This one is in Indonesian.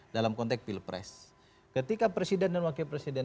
dalam konteks pilpres ketika presiden dan wakil presiden